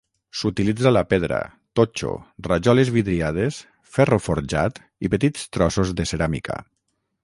S'utilitza la pedra, totxo, rajoles vidriades, ferro forjat i petits trossos de ceràmica.